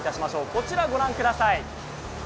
こちらご覧ください。